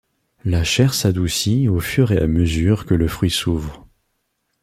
La chair s’adoucit au fur et à mesure que le fruit s'ouvre.